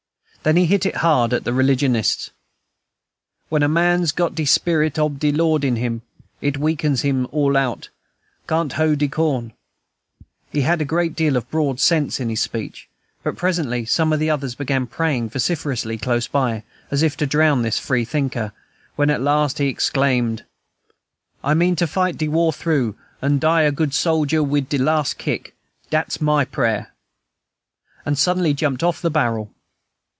Then he hit hard at the religionists: "When a man's got de sperit ob de Lord in him, it weakens him all out, can't hoe de corn." He had a great deal of broad sense in his speech; but presently some others began praying vociferously close by, as if to drown this free thinker, when at last he exclaimed, "I mean to fight de war through, an' die a good sojer wid de last kick, dat's my prayer!" and suddenly jumped off the barrel.